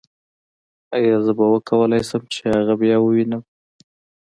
ایا زه به وکولای شم چې هغه بیا ووینم